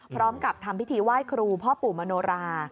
พร้อมกับทำพิธีไหว้ครูพ่อปู่มโนรา